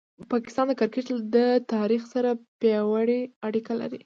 پاکستان د کرکټ له تاریخ سره پیاوړې اړیکه لري.